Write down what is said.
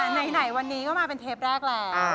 ไหนวันนี้ก็มาเป็นเทปแรกแล้ว